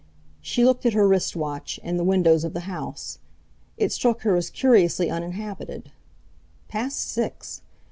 She looked at her wrist watch and the windows of the house. It struck her as curiously uninhabited. Past six!